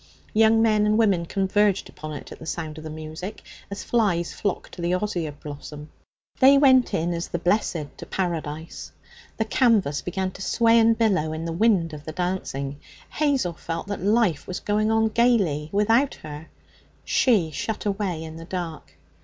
Young men and women converged upon it at the sound of the music, as flies flock to the osier blossom. They went in, as the blessed to Paradise. The canvas began to sway and billow in the wind of the dancing. Hazel felt that life was going on gaily without her she shut away in the dark.